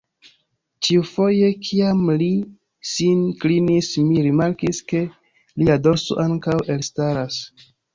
Ĉiufoje kiam li sin klinis, mi rimarkis, ke lia dorso ankaŭ elstaras.